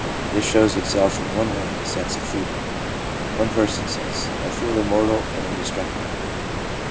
This shows itself in one way in the sense of freedom ; one person says :' I feel immortal and inde structible.'